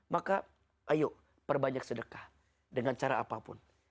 maka ayo perbanyak sedekah dengan cara apapun